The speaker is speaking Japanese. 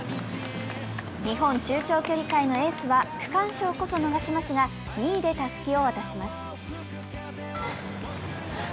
日本・中長距離界のエースは、区間賞こそ逃しますが、２位でたすきを渡します。